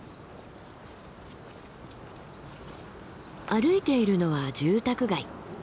歩いているのは住宅街。